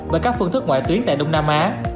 với các phương thức ngoại tuyến tại đông nam á